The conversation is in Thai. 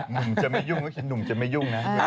หนุ่มจะไม่ยุ่งแล้วหนุ่มจะไม่ยุ่งนะ